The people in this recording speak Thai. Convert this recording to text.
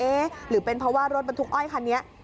หรือเป็นเพราะว่ารถบรรทุกอ้อยคันนี้